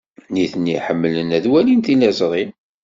Nitni ḥemmlen ad walin tiliẓri.